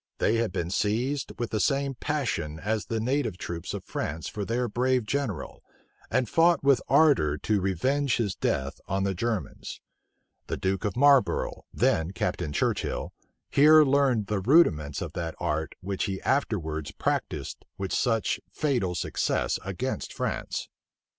They had been seized with the same passion as the native troops of France for their brave general, and fought with ardor to revenge his death on the Germans. The duke of Marlborough, then Captain Churchill, here learned the rudiments of that art which he afterwards practised with such fatal success against France.